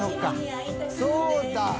「そうだ」